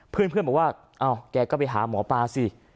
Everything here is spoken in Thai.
เพื่อนบอกว่าอ้าวแกก็ไปหาหมอปลาสิ